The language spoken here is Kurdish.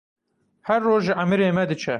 Her roj ji emirê me diçe.